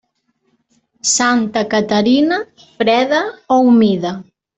Santa Caterina, freda o humida.